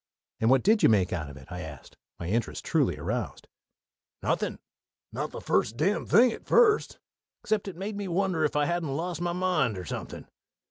"And what did you make out of it?" I asked, my interest truly aroused. "Nothin' not the first dam thing at first," said the old gentleman; "except it made me wonder if I hadn't lost my mind, or something.